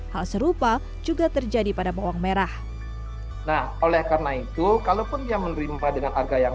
hal serupa juga terjadi pada bawang merah nah oleh karena itu kalaupun dia menerima dengan harga yang